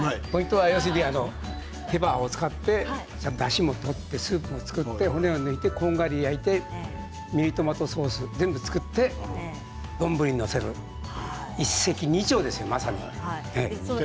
要するに手羽を使ってだしも取ってスープも作って骨を焼いてこんがりとミニトマトソースを作って丼に載せる、一石二鳥ですよまさに。